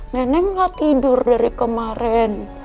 neneng gak tidur dari kemarin